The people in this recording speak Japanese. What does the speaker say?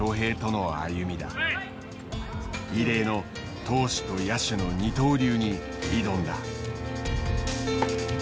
異例の投手と野手の二刀流に挑んだ。